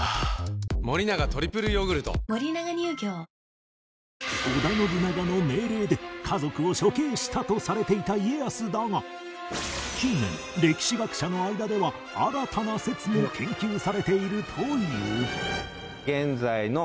損保ジャパン織田信長の命令で家族を処刑したとされていた家康だが近年歴史学者の間では新たな説も研究されているという